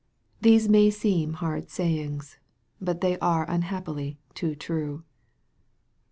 These may seem hard sayings. But they are unhappily too true